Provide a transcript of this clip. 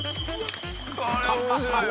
これ面白いわ。